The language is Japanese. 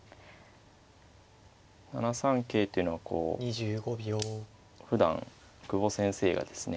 ７三桂というのはこうふだん久保先生がですね